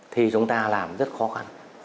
thì chúng ta làm rất khó khăn